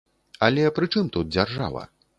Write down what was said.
Але пры чым тут дзяржава?